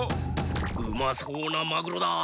うまそうなマグロだ！